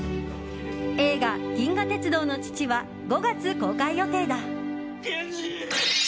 映画「銀河鉄道の父」は５月公開予定だ。